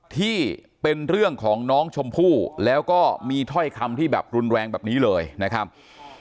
ที่เป็นเรื่องของน้องชมพู่แล้วก็มีถ้อยคำที่แบบรุนแรงแบบนี้เลยนะครับ